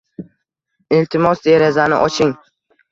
Iltimos, derazani oching